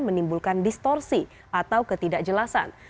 menimbulkan distorsi atau ketidakjelasan